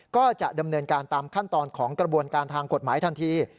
ก็จะดำเนินการตามขั้นตอนของกระบวนการทางกฎหมายทันที